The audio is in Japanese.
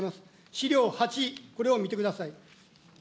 資料８、これを見てください。